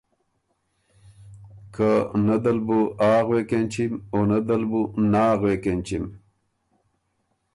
که نۀ دل بُو ”آ“ غوېک اېنچِم او نۀ دل بُو ”نا“ غوېک اېنچِم۔